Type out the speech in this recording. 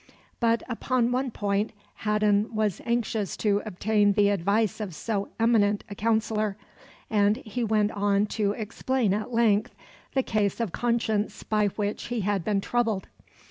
But upon one point Haddon was anxious to obtain the advice of so eminent a counsellor, and he went on to explain at length the case of conscience by which he had been troubled.